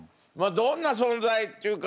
どんな存在っていうか